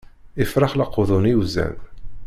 Ifrax leqḍen iwzan.